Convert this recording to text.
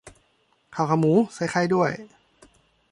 ข้าวขาหมู ใส่ไข่ด้วย